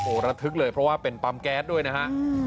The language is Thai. โอ้โหระทึกเลยเพราะว่าเป็นปั๊มแก๊สด้วยนะฮะ